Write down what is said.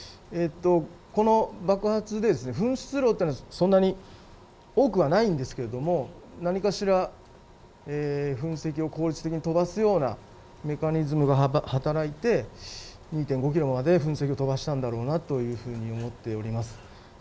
この爆発で噴出量というのはそんなに多くはないんですけれども何かしら噴石を効率的に飛ばすようなメカニズムが働いて２．５キロまで噴石を飛ばしたんだろうなというふうに思っております。